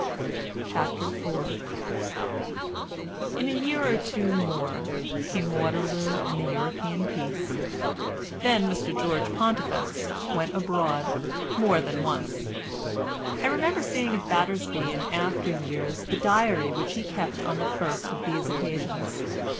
CHAPTER IV In a year or two more came Waterloo and the European peace. Then Mr George Pontifex went abroad more than once. I remember seeing at Battersby in after years the diary which he kept on the first of these occasions.